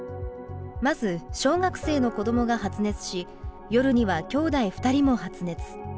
まず小学生の子供が発熱し夜にはきょうだい２人も発熱。